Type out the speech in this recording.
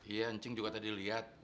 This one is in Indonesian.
iya encing juga tadi liat